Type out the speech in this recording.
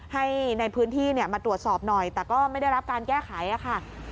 ให้ในพื้นที่มาตรวจสอบหน่อยแต่ก็ไม่ได้รับการแก้ไขค่ะ